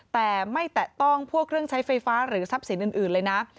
แต่ไม่แตะต้องพวกเครื่องใช้ไฟฟ้าหรือทรัพย์สินอื่นเลยนะ